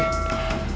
udah cabut aja